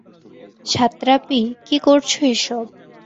সাতরাপি, কী করছ এসব?